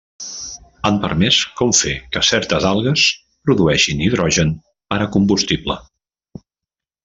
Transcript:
Han permès com fer que certes les algues produeixin hidrogen per a combustible.